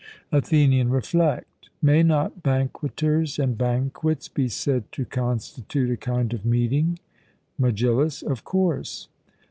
ATHENIAN: Reflect; may not banqueters and banquets be said to constitute a kind of meeting? MEGILLUS: Of course.